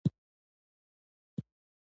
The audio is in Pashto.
د تیلو بیه په کرنه څومره اغیز لري؟